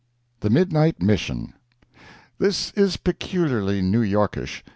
THE MIDNIGHT MISSION This is peculiarly New Yorkish.